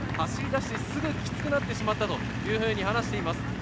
走り出してすぐきつくなってしまったと話しています。